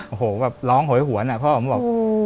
โอ้โหแบบร้องโหยหวนพ่อผมบอก